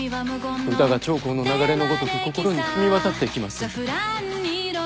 歌が長江の流れのごとく心に染み渡ってきます。